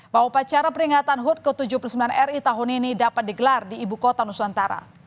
bahwa upacara peringatan hud ke tujuh puluh sembilan ri tahun ini dapat digelar di ibu kota nusantara